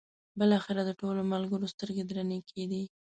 بالاخره د ټولو ملګرو سترګې درنې کېدې.